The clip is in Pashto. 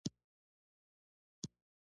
نواقص یې د کارونو د ځنډ لامل ګرځیدل دي.